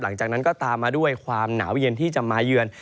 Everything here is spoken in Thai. หลังจากนั้นก็ตามมาด้วยความหนาวเย็นที่จะมาเยือน